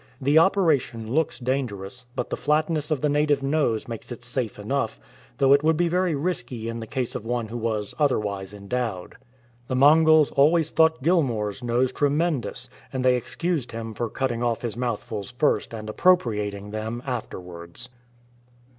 The operation looks dangerous, but the flatness of the native nose makes it safe enough, though it would be very risky in the case of one who was otherwise endowed. The Mongols always thought Gilmour's nose tremendous, and they excused him for cutting off his mouthfuls first and appropriating them afterwards.